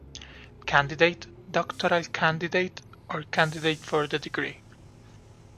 Candidate, Doctoral Candidate, or Candidate for the Degree.